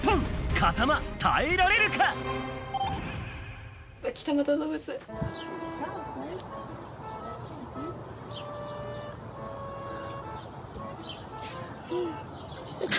風間、耐えられるか？